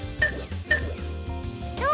どう？